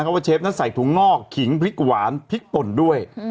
เพราะว่าเชฟนั้นใส่ถุงงอกขิงพริกหวานพริกป่นด้วย